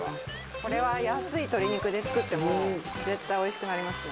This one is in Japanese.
これは安い鶏肉で作っても絶対おいしくなりますね。